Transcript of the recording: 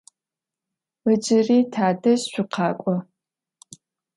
Ыджыри тадэжь шъукъакӏо.